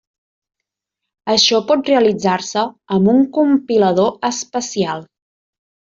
Això pot realitzar-se amb un compilador especial.